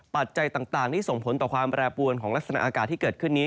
ปัจจัยต่างที่ส่งผลต่อความแปรปวนของลักษณะอากาศที่เกิดขึ้นนี้